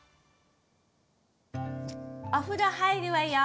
お風呂入るわよ。